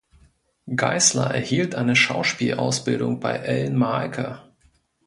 Geißler erhielt eine Schauspielausbildung bei Ellen Mahlke.